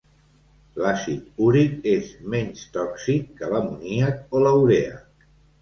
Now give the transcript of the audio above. L'àcid úric és menys tòxic que l'amoníac o la urea.